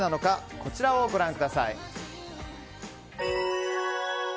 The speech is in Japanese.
こちらをご覧ください。